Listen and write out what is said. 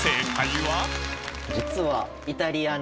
実は。